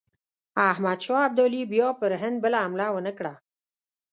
احمدشاه ابدالي بیا پر هند بله حمله ونه کړه.